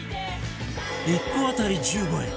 １個当たり１５円！